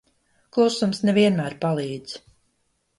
Klusums ne vienmēr palīdz.